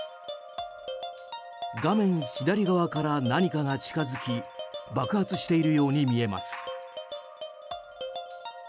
画面左側から何かが近づき爆発しているように見えます。